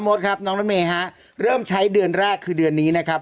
ครับน้องรถเมย์ฮะเริ่มใช้เดือนแรกคือเดือนนี้นะครับ